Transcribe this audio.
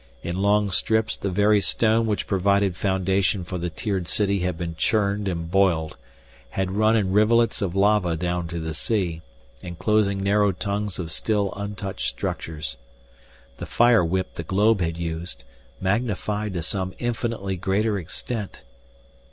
In long strips the very stone which provided foundation for the tiered city had been churned and boiled, had run in rivulets of lava down to the sea, enclosing narrow tongues of still untouched structures. The fire whip the globe had used, magnified to some infinitely greater extent